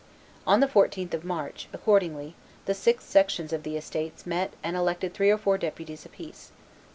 On the 14th of March, accordingly, the six sections of the estates met and elected three or four deputies apiece.